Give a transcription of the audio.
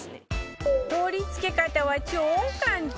取り付け方は超簡単